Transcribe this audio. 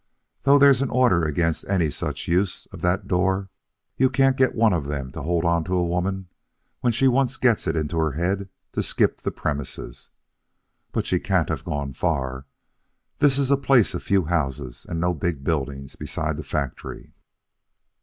Though there's an order against any such use of that door, you can't get one of them to hold onto a woman when she once gets it into her head to skip the premises. But she can't have gone far. This is a place of few houses and no big buildings besides the factory.